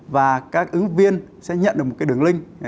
và các ứng viên sẽ nhận được một cái đường link